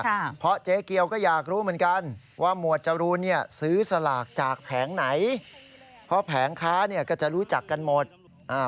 ค่ะเพราะเจ๊เกียวก็อยากรู้เหมือนกันว่าหมวดจรูนเนี่ยซื้อสลากจากแผงไหนเพราะแผงค้าเนี่ยก็จะรู้จักกันหมดอ่า